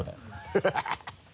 ハハハ